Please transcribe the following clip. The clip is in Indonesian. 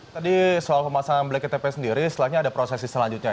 tadi soal pemasangan black ktp sendiri setelahnya ada prosesi selanjutnya